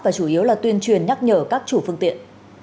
và chủ yếu là tuyên truyền nhắc nhở các chủ phương tiện